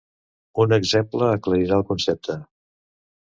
Un exemple aclarirà el concepte.